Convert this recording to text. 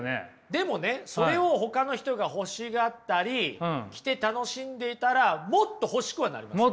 でもねそれをほかの人が欲しがったり着て楽しんでいたらもっと欲しくはなりますよね？